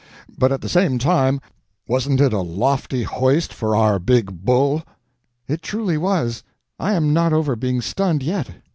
But at the same time wasn't it a lofty hoist for our big bull!" "It truly was; I am not over being stunned yet.